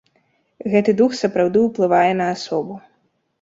Гэты дух сапраўды ўплывае на асобу.